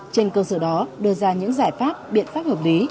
trên cơ sở đó đưa ra những giải pháp biện pháp hợp lý